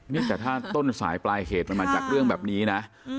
นี่แต่ถ้าต้นสายปลายเหตุมันมาจากเรื่องแบบนี้นะ